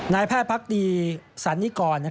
นายแพทย์พักดีสันนิกร